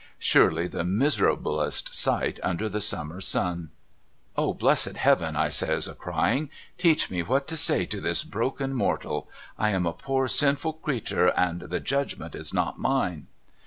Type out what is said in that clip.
Surely the miserablest sight under the summer sun ! *0 blessed Heaven,' I says a crying, 'teach me what to say to this broken mortal ! I am a poor sinful creetur, and the Judgment IS not mine.'